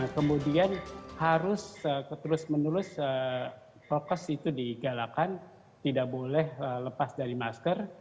kemudian harus terus menerus prokes itu digalakan tidak boleh lepas dari masker